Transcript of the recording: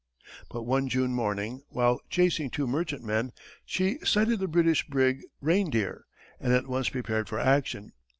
But one June morning, while chasing two merchantmen, she sighted the British brig Reindeer, and at once prepared for action.